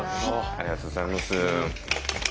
ありがとうございます。